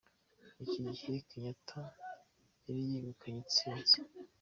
Icyo gihe Kenyatta yari yegukanye intsinzi.